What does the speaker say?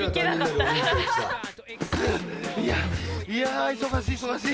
いや忙しい忙しい。